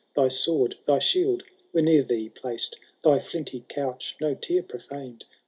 Thy sword, thy shield, were near thee placed. Thy flinty couch no tear profaned.